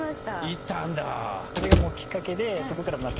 行ったんだあ。